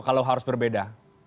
kalau harus berbeda